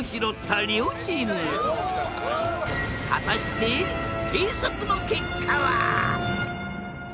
果たして計測の結果は？